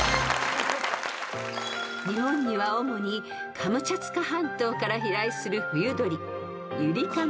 ［日本には主にカムチャツカ半島から飛来する冬鳥］